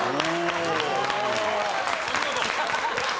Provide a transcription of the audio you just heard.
お見事。